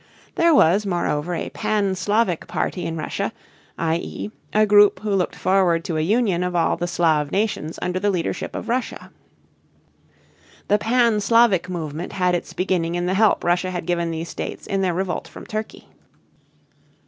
There was, moreover, a pan Slavic party in Russia, i.e. a group who looked forward to a union of all the Slav nations under the leadership of Russia. The pan Slavic movement had its beginning in the help Russia had given these states in their revolt from Turkey.